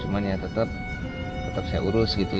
cuman ya tetap saya urus gitu